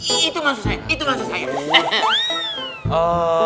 itu maksud saya